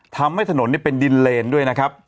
ทำให้ถนนเป็นดินเลนด้วยนะครับ